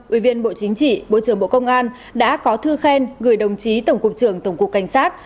ubnd bộ trưởng bộ công an đã có thư khen người đồng chí tổng cục trưởng tổng cục cảnh sát